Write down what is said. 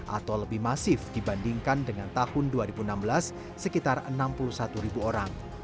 atau lebih masif dibandingkan dengan tahun dua ribu enam belas sekitar enam puluh satu ribu orang